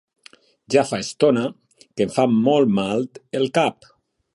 Ja fa estona que em fa molt mal el cap.